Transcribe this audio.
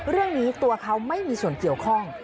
เรื่องนี้ตัวเขาไม่มีส่วนเกี่ยวข้อง